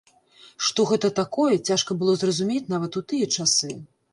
Што гэта такое, цяжка было зразумець нават у тыя часы.